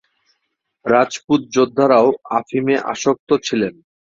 রাজপুত যোদ্ধারাও আফিমে আসক্ত ছিলেন।